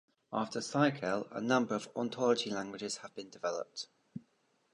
After CycL, a number of ontology languages have been developed.